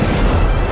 aku akan menang